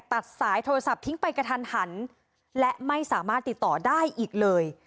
ตัดสายโทรศัพท์ทิ้งไปกระทันหันและไม่สามารถติดต่อได้อีกเลย